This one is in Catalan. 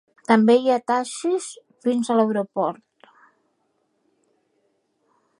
També hi ha taxis fins a l'aeroport.